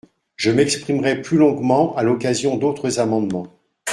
Je m’exprimerai plus longuement à l’occasion d’autres amendements.